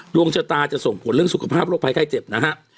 ดวงชะตาจะส่งผลเรื่องสุขภาพโรคภัยไข้เจ็บนะฮะ